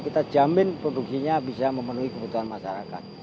kita jamin produksinya bisa memenuhi kebutuhan masyarakat